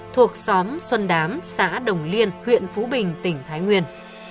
thuộc xóm xuân đám xã đồng liên huyện phú bình tỉnh thái nguyên